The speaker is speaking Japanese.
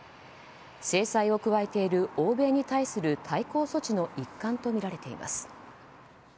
制裁を加えている欧米に対する対抗措置の一環とみられています。